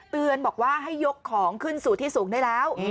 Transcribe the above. เตือนบอกว่าให้ยกของขึ้นสู่ที่สูงได้แล้ว